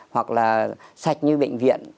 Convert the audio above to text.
hoặc là sạch như bệnh viện